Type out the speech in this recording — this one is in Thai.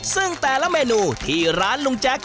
ซึ่งแต่ละเมนูที่ร้านลุงแจ็ค